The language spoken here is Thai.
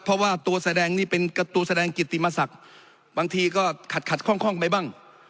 เพราะว่าตัวแสดงนี่เป็นตัวแสดงกิติมศักดิ์บางทีก็ขัดขัดข้องไปบ้าง